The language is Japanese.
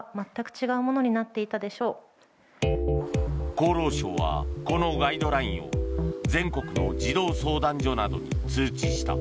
厚労省は、このガイドラインを全国の児童相談所などに通知した。